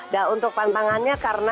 dan untuk pantangannya karena